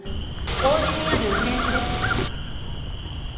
王子にあるフレンチレストランです。